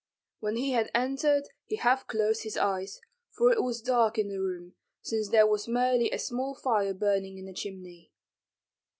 When he had entered he half closed his eyes, for it was dark in the room, since there was merely a small fire burning in the chimney.